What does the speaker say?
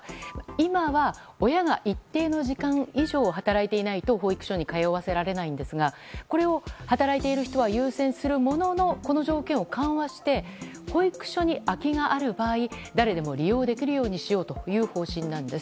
今は親が一定の時間以上働いていないと保育所に通わせられないんですがこれを働いている人は優先するもののこの条件を緩和して保育所に空きがある場合誰でも利用できるようにしようという方針なんです。